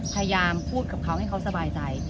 พยายามพูดกับเขาให้เขาสบายใจ